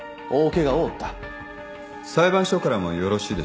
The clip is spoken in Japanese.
裁判所からもよろしいでしょうか。